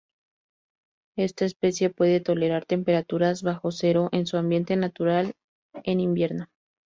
Esta especie puede tolerar temperaturas bajo cero en su ambiente natural en invierno.